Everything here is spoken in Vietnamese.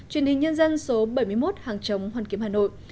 truyền hình nhân dân số bảy mươi một hàng chống hoàn kiếm hà nội